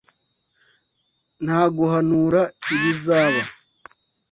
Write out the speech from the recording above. Nta guhanura ibizaba.